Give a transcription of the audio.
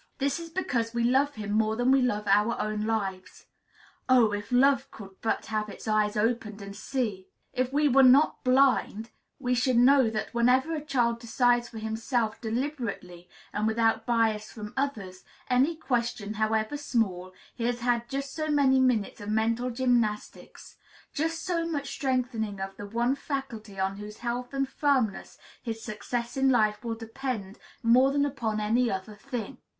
This is because we love him more than we love our own lives. Oh! if love could but have its eyes opened and see! If we were not blind, we should know that whenever a child decides for himself deliberately, and without bias from others, any question, however small, he has had just so many minutes of mental gymnastics, just so much strengthening of the one faculty on whose health and firmness his success in life will depend more than upon any other thing.